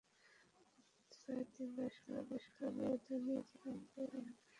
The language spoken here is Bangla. প্রায় তিন দশকের ব্যবধানেও জেনেভা ক্যাম্পে কাবাবের দোকানের সংখ্যা খুব একটা বাড়েনি।